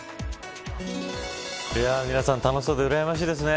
皆さん、楽しそうでうらやましいですね。